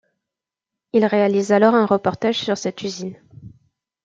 Il réalise alors un reportage sur cette usine.